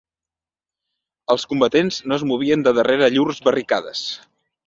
Els combatents no es movien de darrere llurs barricades